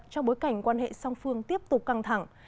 trong bối cảnh quan hệ song phương tiếp tục căng thẳng